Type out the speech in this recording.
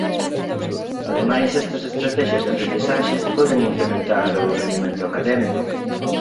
Ademais estas estratexias de aprendizaxe poden incrementar o rendemento académico.